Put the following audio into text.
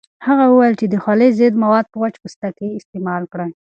هغه وویل د خولې ضد مواد په وچ پوستکي استعمال کړئ.